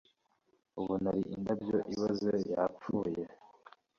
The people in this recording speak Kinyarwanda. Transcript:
ubu nari indabyo iboze, yapfuye